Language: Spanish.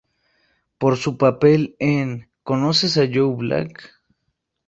Por su papel en "¿Conoces a Joe Black?